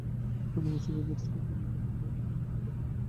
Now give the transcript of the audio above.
দাদামশায়কে বোধ হয় তুমিই মানুষ করবার ভার নিয়েছিলে।